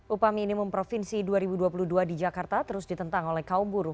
upah minimum provinsi dua ribu dua puluh dua di jakarta terus ditentang oleh kaum buruh